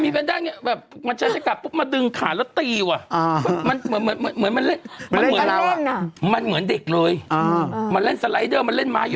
มีแพนด้างแบบมันใช้กระปุ๊บมาดึงขาแล้วตีว่ะ